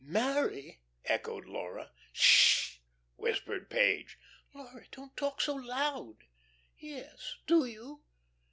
"Marry?" echoed Laura. "Sh h!" whispered Page. "Laura don't talk so loud. Yes, do you?"